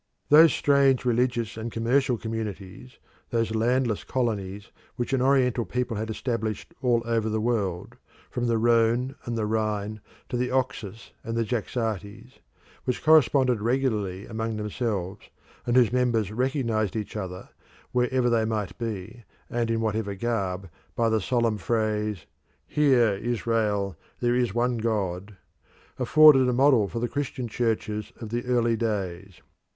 Those strange religious and commercial communities, those landless colonies which an Oriental people had established all over the world, from the Rhone and the Rhine to the Oxus and Jaxartes which corresponded regularly among themselves, and whose members recognised each other, wherever they might be and in whatever garb, by the solemn phrase, "Hear, Israel, there is one God!" afforded a model for the Christian churches of the early days.